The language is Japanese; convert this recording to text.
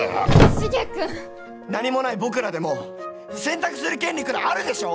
しげ君何もない僕らでも選択する権利くらいあるでしょ！